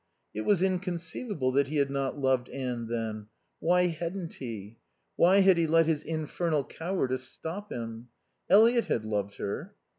It was inconceivable that he had not loved Anne then. Why hadn't he? Why had he let his infernal cowardice stop him? Eliot had loved her.